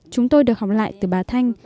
chúng tôi được học lại từ bà thanh